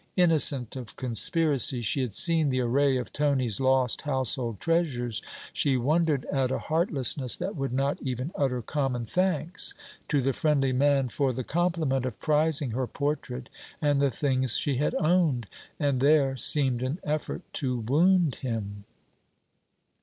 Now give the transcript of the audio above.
Innocent of conspiracy, she had seen the array of Tony's lost household treasures she wondered at a heartlessness that would not even utter common thanks to the friendly man for the compliment of prizing her portrait and the things she had owned; and there seemed an effort to wound him.